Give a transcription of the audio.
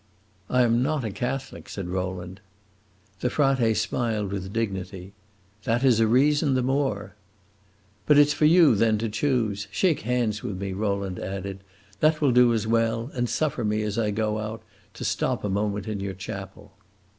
"I am not a Catholic," said Rowland. The frate smiled with dignity. "That is a reason the more." "But it 's for you, then, to choose. Shake hands with me," Rowland added; "that will do as well; and suffer me, as I go out, to stop a moment in your chapel."